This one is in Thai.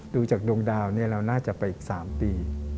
ดูจากดวงดาวเราน่าจะไปอีก๓ปี